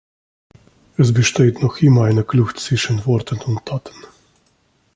Es besteht noch immer eine Kluft zwischen Worten und Taten.